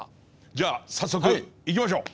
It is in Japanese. じゃあ早速いきましょう！